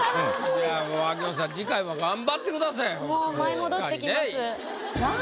じゃあ秋元さん次回は頑張ってくださいほんとに。